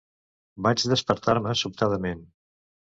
Vaig despertar-me sobtadament.